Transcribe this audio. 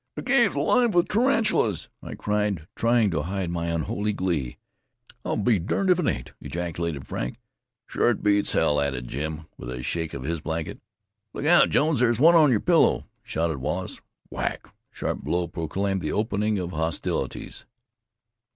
"The cave's alive with tarantulas!" I cried, trying to hide my unholy glee. "I'll be durned if it ain't!" ejaculated Frank. "Shore it beats hell!" added Jim, with a shake of his blanket. "Look out, Jones, there's one on your pillow!" shouted Wallace. Whack! A sharp blow proclaimed the opening of hostilities.